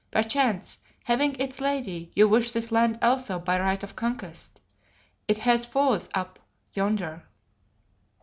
Perchance, having its lady, you wish this land also by right of conquest. It has foes up yonder."